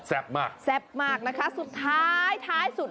มากแซ่บมากนะคะสุดท้ายท้ายสุด